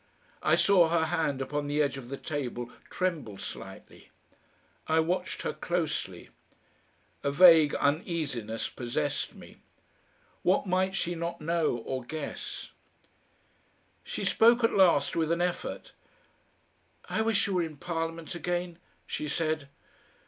I saw her hand upon the edge of the table tremble slightly. I watched her closely. A vague uneasiness possessed me. What might she not know or guess? She spoke at last with an effort. "I wish you were in Parliament again," she said.